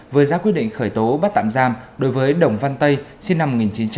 với giá quyết định khởi tố bắt tạm giam đối với đồng văn tây sinh năm một nghìn chín trăm tám mươi tám